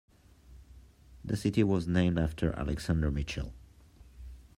The city was named after Alexander Mitchell.